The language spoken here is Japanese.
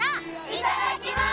いただきます！